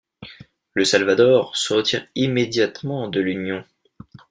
Le Salvador se retire immédiatement de l'Union.